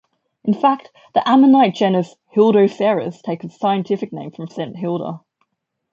In fact, the ammonite genus "Hildoceras" takes its scientific name from Saint Hilda.